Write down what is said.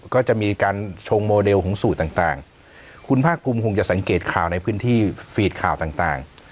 ก็จะมีการชงโมเดลของสูตรต่างคุณภาคภูมิคงจะสังเกตข่าวในพื้นที่ฟีดข่าวต่าง